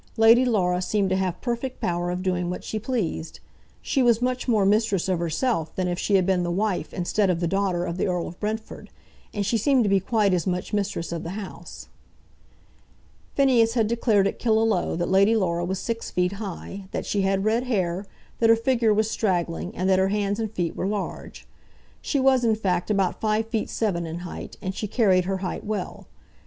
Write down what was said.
Lady Laura seemed to have perfect power of doing what she pleased. She was much more mistress of herself than if she had been the wife instead of the daughter of the Earl of Brentford, and she seemed to be quite as much mistress of the house. Phineas had declared at Killaloe that Lady Laura was six feet high, that she had red hair, that her figure was straggling, and that her hands and feet were large. She was in fact about five feet seven in height, and she carried her height well.